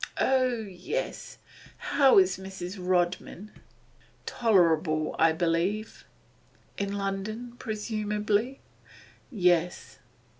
Oh yes, how is Mrs. Rodman?' 'Tolerable, I believe.' 'In London, presumably?' 'Yes.